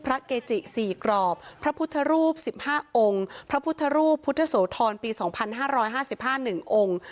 พระเกจิสี่กรอบพระพุทธรูปสิบห้าองค์พระพุทธรูปพุทธโสธรปีสองพันห้าร้อยห้าสิบห้าหนึ่งองค์